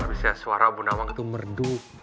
bisa suara bu nawang itu merdu